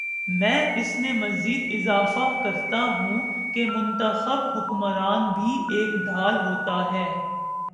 میں اس میں مزید اضافہ کرتا ہوں کہ منتخب حکمران بھی ایک ڈھال ہوتا ہے۔